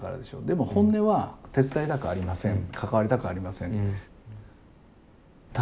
でも本音は手伝いたくありません関わりたくありません。